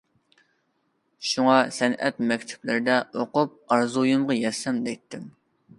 شۇڭا، سەنئەت مەكتەپلىرىدە ئوقۇپ ئارزۇيۇمغا يەتسەم دەيتتىم.